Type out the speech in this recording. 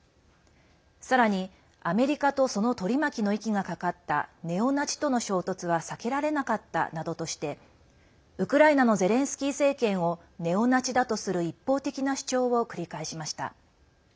さらに、アメリカとその取り巻きの息がかかったネオナチとの衝突は避けられなかったなどとしてウクライナのゼレンスキー政権をネオナチだとする一方的な主張を繰り返しました。